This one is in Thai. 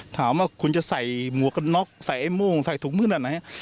ถามว่าคุณจะใส่หมวกกันน็อกใส่ไอ้โม่งใส่ถุงมืดแบบไหน